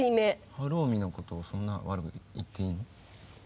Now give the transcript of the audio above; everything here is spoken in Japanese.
晴臣のことをそんな悪く言っていいの？